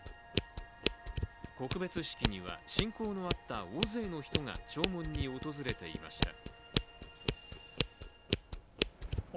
告別式には親交のあった大勢の人が弔問に訪れていました。